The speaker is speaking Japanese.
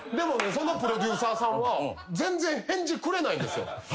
そのプロデューサーさんは全然返事くれないんですよ。